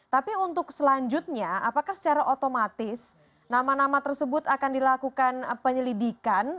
tapi untuk selanjutnya apakah secara otomatis nama nama tersebut akan dilakukan penyelidikan